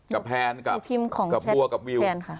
กับแพนกับวัวกับวิว